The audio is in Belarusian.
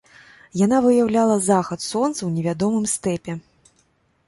Яна выяўляла захад сонца ў невядомым стэпе.